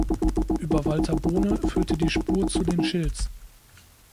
Über Walter Bohne führte die Spur zu den Schills.